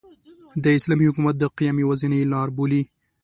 د اسلامي حکومت د قیام یوازینۍ لاربولي.